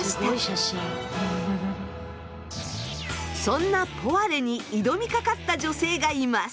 そんなポワレに挑みかかった女性がいます。